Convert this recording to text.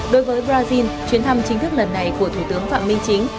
đối với brazil chuyến thăm chính thức lần này của thủ tướng phạm minh chính